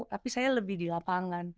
tapi saya lebih di lapangan